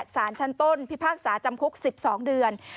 สารชั้นต้นพิพากษาจำคุก๑๒เดือน